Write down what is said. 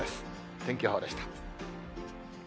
天気予報でした。